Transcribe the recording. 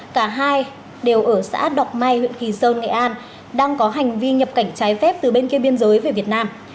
cả hai đều ở xã đọc may huyện kỳ sơn nghệ an đang có hành vi nhập cảnh trái phép từ bên kia biên giới về việt nam